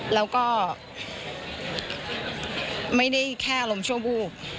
แล้วก็ไม่ได้แค่อารมณ์ชั่ววูบ